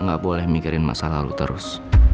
nggak boleh mikirin masa lalu terus